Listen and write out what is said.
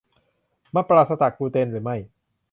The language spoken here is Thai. มันปราศจากกลูเตนหรือไม่ ?